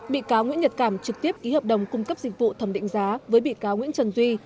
bị cáo nguyễn nhật cảm trực tiếp ký hợp đồng cung cấp dịch vụ thẩm định giá với bị cáo nguyễn trần duy